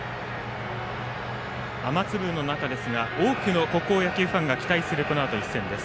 雨粒の中ですが多くの高校野球ファンが期待するこのあとの一戦です。